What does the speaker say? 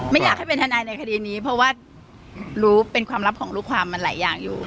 ไม่อยากให้เป็นทนายในคดีนี้เพราะว่ารู้เป็นความลับของลูกความมันหลายอย่างอยู่